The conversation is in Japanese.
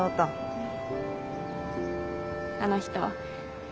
うん。